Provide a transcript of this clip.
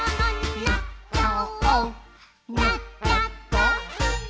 「なっちゃった！」